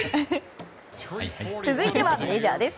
続いてはメジャーです。